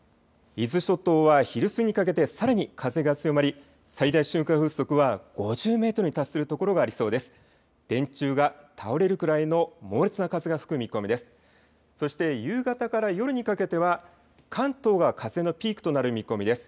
伊豆諸島は昼過ぎにかけてさらに風が強まり最大瞬間風速は５０メートルに達するところがありそうです。